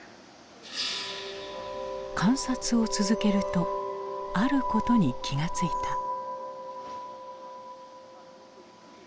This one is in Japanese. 観察を続けるとあることに気が付いた。